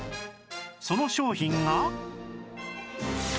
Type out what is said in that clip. その商品が